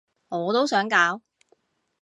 我都想搞